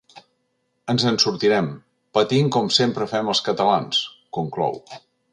Ens en sortirem, patint com sempre fem els catalans…, conclou.